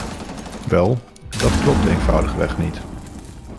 Wel, dat klopt eenvoudigweg niet!